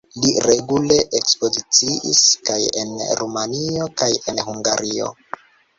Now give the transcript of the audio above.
Li regule ekspoziciis kaj en Rumanio kaj en Hungario.